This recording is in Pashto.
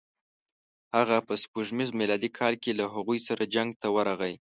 هغه په سپوږمیز میلادي کال کې له هغوی سره جنګ ته ورغی.